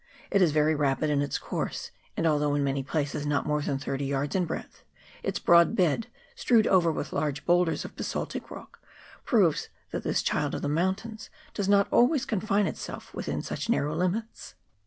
It is very rapid in its course, and, although in many places not more than thirty yards in breadth, its broad bed, strewed over with large boulders of basaltic rock, proves that this child of the mountains does not always confine itself within such narrow limits.